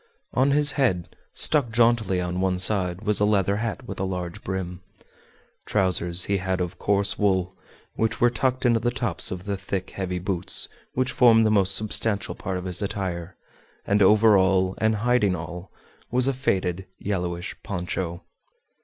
On his head, stuck jauntily on one side, was a leather hat with a large brim. Trousers he had of coarse wool, which were tucked into the tops of the thick, heavy boots which formed the most substantial part of his attire, and over all, and hiding all, was a faded yellowish poncho.